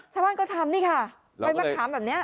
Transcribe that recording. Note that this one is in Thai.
ชาวบ้านก็ทำนี่ค่ะใบมะขามแบบนี้